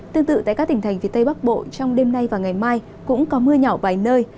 tương tự tại các tỉnh thành phía tây bắc bộ trong đêm nay và ngày mai cũng có mưa nhỏ vài nơi